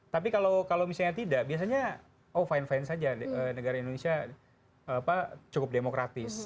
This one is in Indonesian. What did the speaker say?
tapi kalau misalnya tidak biasanya oh fine fine saja negara indonesia cukup demokratis